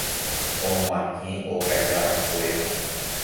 og̃uahẽ ogajarakuéra.